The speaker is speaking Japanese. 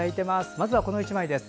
まずは、この１枚です。